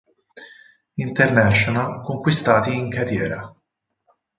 International conquistati in carriera.